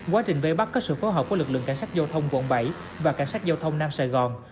quá trình vây bắt có sự phối hợp của lực lượng cảnh sát giao thông quận bảy và cảnh sát giao thông nam sài gòn